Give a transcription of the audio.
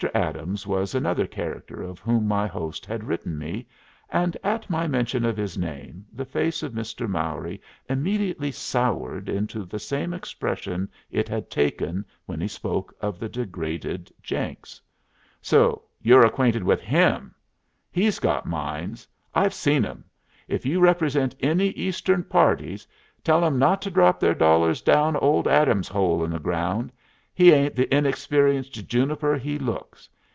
Adams was another character of whom my host had written me, and at my mention of his name the face of Mr. Mowry immediately soured into the same expression it had taken when he spoke of the degraded Jenks. "So you're acquainted with him! He's got mines. I've seen 'em. If you represent any Eastern parties, tell 'em not to drop their dollars down old Adams's hole in the ground. He ain't the inexperienced juniper he looks.